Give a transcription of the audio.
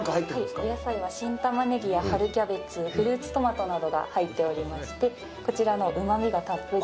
お野菜は新タマネギや春キャベツ、フルーツトマトなどが入っておりまして、こちらのうまみがたっぷり。